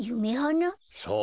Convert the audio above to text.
そう。